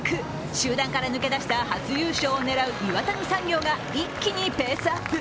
集団から抜け出した初優勝を狙う岩谷産業が一気にペースアップ。